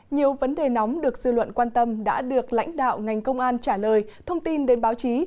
nhiều vấn đề nóng được dư luận quan tâm đã được lãnh đạo ngành công an trả lời thông tin đến báo chí